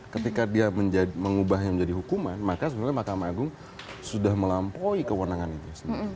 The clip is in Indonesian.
ketika dia mengubahnya menjadi hukuman maka sebenarnya mahkamah agung sudah melampaui kewenangan itu